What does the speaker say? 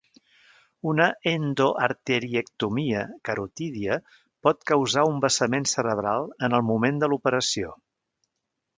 Una endoarteriectomia carotídia pot causar un vessament cerebral en el moment de l'operació.